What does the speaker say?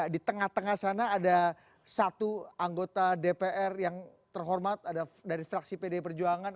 di tengah tengah sana ada satu anggota dpr yang terhormat ada dari fraksi pdi perjuangan